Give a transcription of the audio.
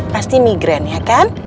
pasti migren ya kan